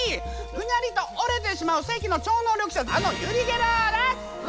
ぐにゃりと折れてしまう世紀の超能力者あのユリ・ゲラーです！